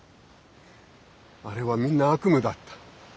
あれはみんな悪夢だった。